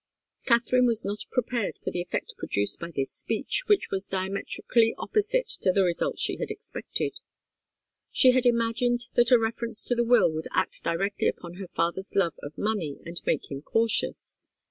Katharine was not prepared for the effect produced by this speech, which was diametrically opposite to the result she had expected. She had imagined that a reference to the will would act directly upon her father's love of money and make him cautious.